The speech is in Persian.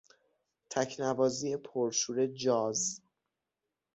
تکنوازی پرشور جاز